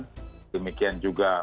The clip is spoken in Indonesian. dan demikian juga